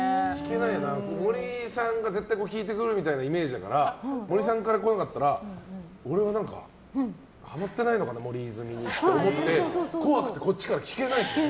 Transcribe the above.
森さんが絶対聞いてくるみたいなイメージだから森さんから来なかったら俺はなんかハマってないのかな森泉にって思って怖くて、こっちから聞けないです。